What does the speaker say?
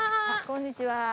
こんにちは。